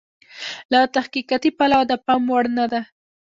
له تحقیقاتي پلوه د پام وړ نه ده.